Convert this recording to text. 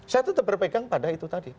saya tetap berpegang pada itu tadi